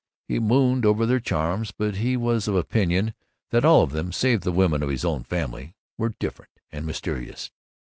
He mooned over their charms but he was of opinion that all of them (save the women of his own family) were "different" and "mysterious."